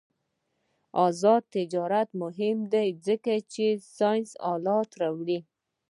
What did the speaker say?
آزاد تجارت مهم دی ځکه چې ساینسي آلات راوړي.